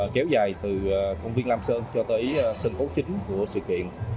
kéo dài từ công viên lam sơn cho tới sân khấu chính của sự kiện